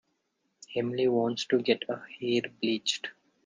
Emily wants to get her hair bleached.